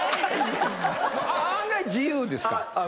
案外自由ですか？